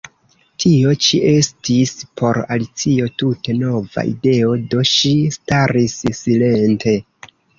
Tio ĉi estis por Alicio tute nova ideo; do ŝi staris silente.